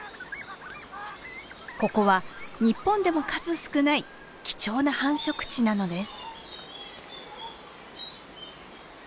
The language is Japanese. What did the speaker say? ここは日本でも数少ない貴重な繁殖地なのです。